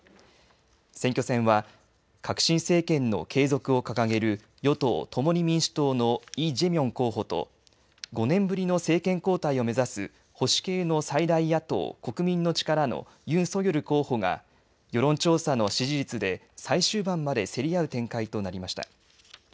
選挙戦は革新政権の継続を掲げる与党共に民主党のイ・ジェミョン候補と５年ぶりの政権交代を目指す保守系の最大野党国民の力のユン・ソギョル候補が世論調査の支持率で最終盤まで競り合う展開となりました。